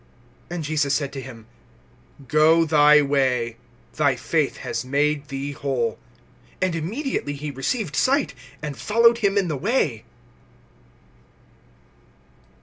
(52)And Jesus said to him: Go thy way; thy faith has made thee whole. And immediately he received sight, and followed him in the way.